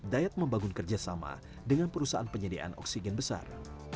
dayat membangun kerjasama dengan perusahaan penyediaan oksigen besar